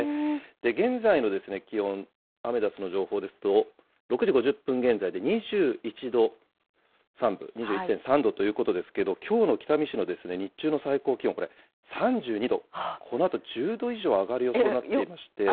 現在の気温、アメダスの情報ですと、６時５０分現在で２１度３分、２１．３度ということですけれども、きょうの北見市の日中の最高気温、これ３２度、このあと１０度以上上がる予想になっていまして。